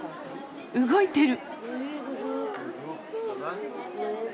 動いてる！